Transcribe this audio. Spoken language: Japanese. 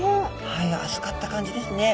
はい預かった感じですね。